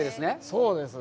そうです。